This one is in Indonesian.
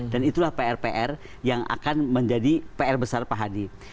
dan itulah pr pr yang akan menjadi pr besar pak hadi